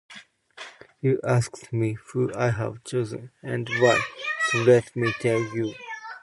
You asked me who I have chosen and why, so let me tell you.